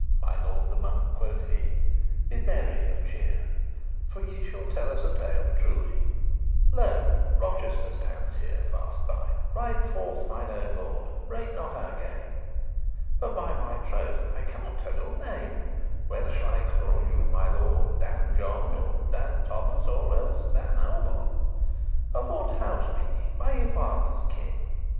My lord the Monk," quoth he, "be merry of cheer, For ye shall tell a tale truely. Lo, Rochester stands here faste by. Ride forth, mine owen lord, break not our game. But by my troth I cannot tell your name; Whether shall I call you my lord Dan John, Or Dan Thomas, or elles Dan Albon? Of what house be ye, by your father's kin?